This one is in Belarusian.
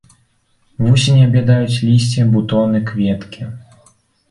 Вусені аб'ядаюць лісце, бутоны, кветкі.